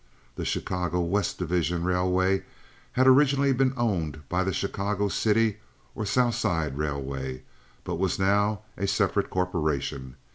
The Chicago West Division Railway had originally been owned by the Chicago City or South Side Railway, but was now a separate corporation.